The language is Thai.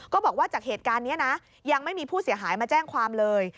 บอกว่าจากเหตุการณ์นี้นะยังไม่มีผู้เสียหายมาแจ้งความเลย